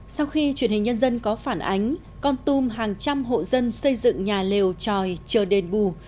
sau khi truyền hình nhân dân có phản ánh con tum hàng trăm hộ dân xây dựng nhà lều tròi chờ đền bù